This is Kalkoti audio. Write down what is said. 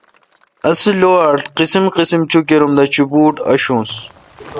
اسےلوآٹ قسیم قسیمچوکیر ام دا چوپوٹ آݭونس